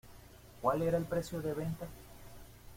¿Cuál era el precio de venta?